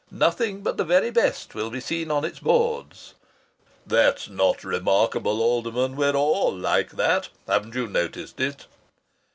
"Nothing but the very best will be seen on its boards." "That's not remarkable, Alderman. We're all like that. Haven't you noticed it?"